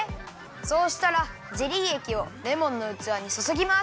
そうしたらゼリーえきをレモンのうつわにそそぎます。